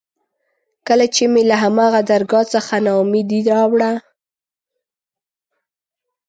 کله چې مې له هماغه درګاه څخه نا اميدي راوړه.